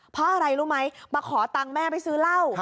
เพราะอะไรรู้ไหมมาขอตังค์แม่ไปซื้อเหล้า